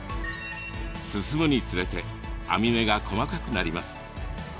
進むにつれて網目が細かくなります。